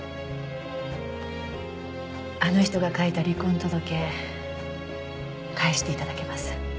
あの人が書いた離婚届返して頂けます？